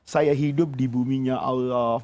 saya hidup di bumi nya allah